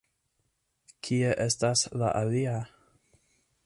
Kie estas la alia?